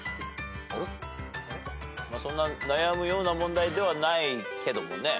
そんな悩むような問題ではないけどもね。